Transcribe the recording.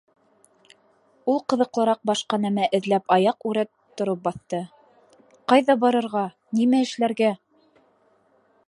Ул ҡыҙыҡлыраҡ башҡа нәмә эҙләп аяҡ үрә тороп баҫты: «Ҡайҙа барырға, нимә эшләргә?..»